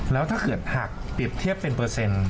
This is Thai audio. แล้วถ้าเกิดหักเปรียบเทียบเป็นเปอร์เซ็นต์